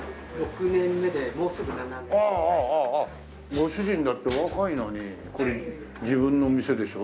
ご主人だってお若いのにこれ自分の店でしょ？